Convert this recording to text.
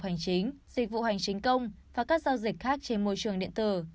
hành chính dịch vụ hành chính công và các giao dịch khác trên môi trường điện tử